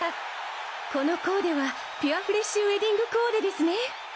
このコーデはピュアフレッシュウェディングコーデですね。